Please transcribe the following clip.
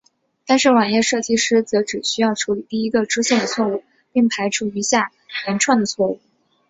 但是网页设计师则只需要处理第一个出现的错误并排除余下连串的错误。